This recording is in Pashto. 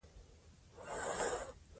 پکښې نغښتی وی، او د شاعر د نفس د روحي